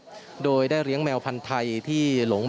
และก็มีการกินยาละลายริ่มเลือดแล้วก็ยาละลายขายมันมาเลยตลอดครับ